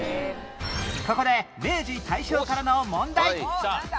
ここで明治・大正からの問題